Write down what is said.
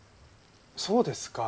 そうですか。